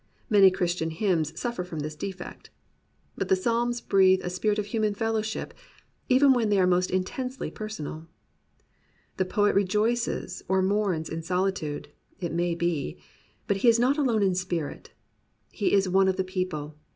Many Christian hymns suffer from this defect. But the Psalms breathe a spirit of human fellowship even when they are most intensely j>er sonal. The poet rejoices or mourns in solitude, it may be, but he is not alone in spirit. He is one of the people.